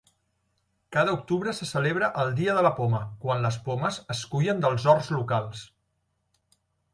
Cada octubre se celebra el "Dia de la Poma" quan les pomes es cullen dels horts locals.